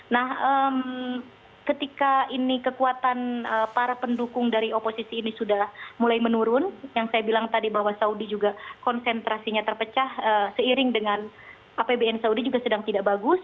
nah ketika ini kekuatan para pendukung dari oposisi ini sudah mulai menurun yang saya bilang tadi bahwa saudi juga konsentrasinya terpecah seiring dengan apbn saudi juga sedang tidak bagus